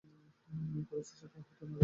কুরাইশদের সাথে আহত নারীরাও পালাচ্ছিল।